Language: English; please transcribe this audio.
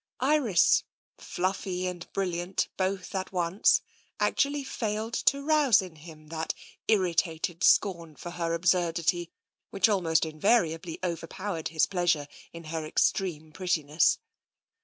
Iris, fluffy and brilliant both at once, actually failed to rouse in him that irritated scorn for her absurdity which almost invariably overpowered his pleasure in her extreme prettiness.